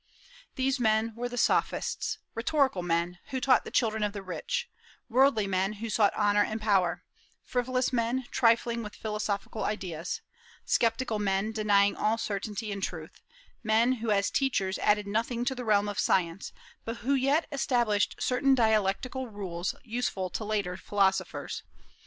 These men were the Sophists, rhetorical men, who taught the children of the rich; worldly men, who sought honor and power; frivolous men, trifling with philosophical ideas; sceptical men, denying all certainty in truth; men who as teachers added nothing to the realm of science, but who yet established certain dialectical rules useful to later philosophers.